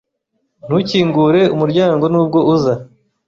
Ntukingure umuryango nubwo uza.